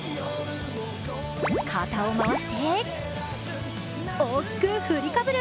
肩を回して、大きく振りかぶる。